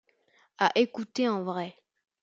À écouter en vrai.